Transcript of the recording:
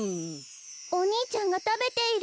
おにいちゃんがたべている。